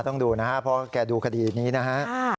ต้องดูนะฮะเพราะแกดูคดีนี้นะฮะ